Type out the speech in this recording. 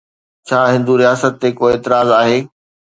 ڇا هندو رياست تي ڪو اعتراض آهي؟